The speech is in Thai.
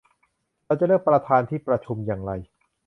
เราจะเลือกประธานที่ประชุมอย่างไร